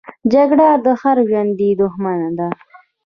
جګړه د هر ژوندي دښمنه ده